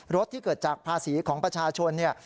ที่เกิดจากภาษีของประชาชนเนี่ย